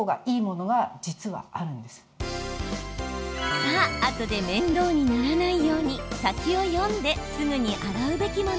さあ、あとで面倒にならないように先を読んで、すぐに洗うべきもの。